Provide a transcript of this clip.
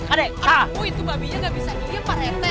aduh itu babinya gak bisa gini ya pak rata